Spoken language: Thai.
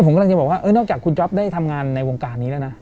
ผมกำลังจะบอกว่านอกจากคุณจ๊อปได้ทำงานในวงการนี้แล้วนะ